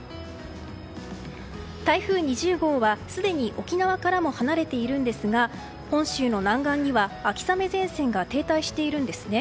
台風２０号はすでに沖縄からも離れているんですが本州の南岸には秋雨前線沿岸に停滞しているんですね。